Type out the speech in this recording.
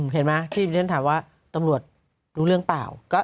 เห็นไหมที่ที่ฉันถามว่าตำรวจรู้เรื่องเปล่า